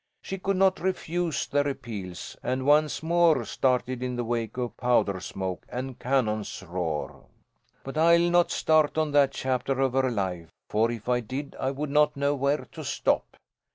She could not refuse their appeals, and once more started in the wake of powder smoke, and cannon's roar. "But I'll not start on that chapter of her life, for, if I did, I would not know where to stop.